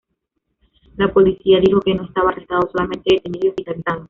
La policía dijo que no estaba arrestado, solamente detenido y hospitalizado.